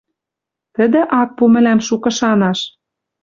Тӹдӹ ак пу мӹлӓм шукы шанаш...